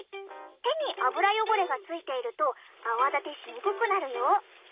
手に脂汚れがついていると泡立てしにくくなるよ。